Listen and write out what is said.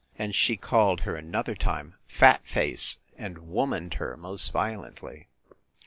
And she called her another time fat face, and womaned her most violently.